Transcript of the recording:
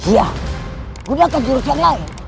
iya gunakan jurus yang lain